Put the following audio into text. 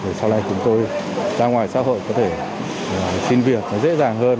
để sau này chúng tôi ra ngoài xã hội có thể sinh viên dễ dàng hơn